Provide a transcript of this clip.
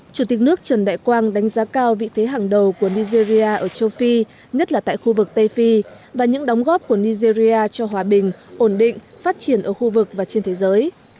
chủ tịch nước trần đại quang đánh giá cao vị thế hàng đầu của nigeria ở châu phi nhất là tại khu vực tây phi và những đóng góp của nigeria cho hòa bình ổn định phát triển ở khu vực và trên thế giới